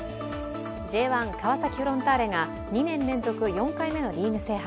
Ｊ１川崎フロンターレが２年連続、４回目のリーグ制覇。